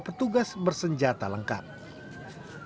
petugas bersenjata lengkap